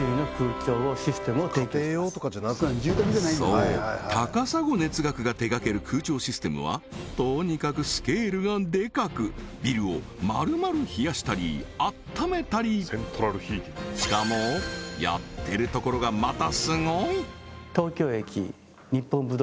そう高砂熱学が手がける空調システムはとにかくスケールがでかくビルを丸々冷やしたり暖めたりしかもやってるところがまたすごい！